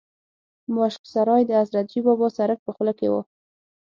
ماشک سرای د حضرتجي بابا سرک په خوله کې و.